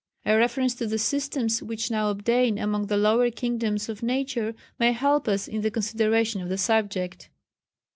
A reference to the systems which now obtain among the lower kingdoms of nature may help us in the consideration of the subject.